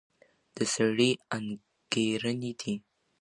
د سړي انګېرنې دي.